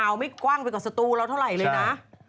ไม่กว้างไปกว่าสตูเราเท่าไหร่เลยนะ